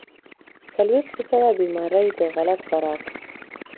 څلوېښت فيصده بيمارۍ د غلط خوراک